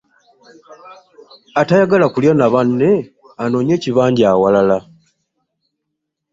Atayagala kulya na banne anoonye ekibanja awalala.